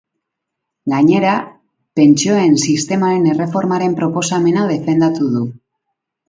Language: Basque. Gainera, pentsioen sistemaren erreformaren proposamena defendatu du.